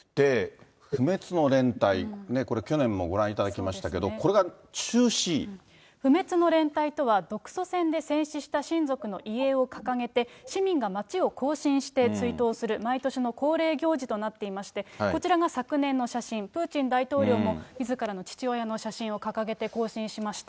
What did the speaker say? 不滅の連隊、これ、去年もご覧いただきましたけど、不滅の連隊とは、独ソ戦で戦死した親族の遺影を掲げて、市民が街を行進して追悼する、毎年の恒例行事となっていまして、こちらが昨年の写真、プーチン大統領も、みずからの父親の写真を掲げて行進しました。